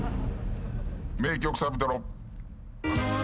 名曲サビトロ。